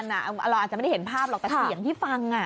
เราอาจจะไม่ได้เห็นภาพหรอกแต่เสียงที่ฟัง